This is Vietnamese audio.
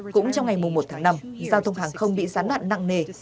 cũng trong ngày một tháng năm giao thông hàng không bị gián đoạn nặng nề